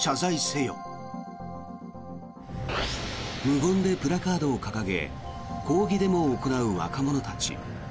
無言でプラカードを掲げ抗議デモを行う若者たち。